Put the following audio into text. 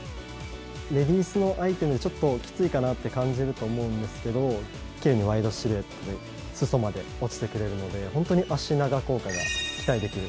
レディースのアイテムでちょっときついかなって感じると思うんですけど奇麗なワイドシルエットで裾まで落ちてくれるので本当に足長効果が期待できる。